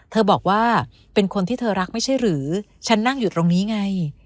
บอกว่าเป็นคนที่เธอรักไม่ใช่หรือฉันนั่งอยู่ตรงนี้ไง